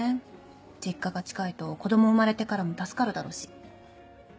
実家が近いと子供生まれてからも助かるだろうし。